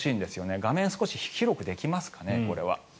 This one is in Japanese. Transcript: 画面、少し広くできますかね。